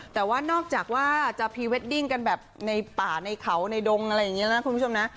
แต่ว่านอกจากว่าจะพรีเวดดิ้งกันแบบในป่าในเขาในดงอะไรอย่างนี้นะคุณผู้ชมนะ